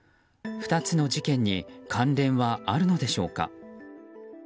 ２つの事件に関連はあるのでしょうか。